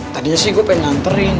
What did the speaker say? tadinya sih gue pengen nganterin